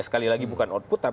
sekali lagi bukan output